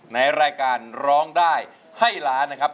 ในรายการร้องได้ให้ล้านนะครับ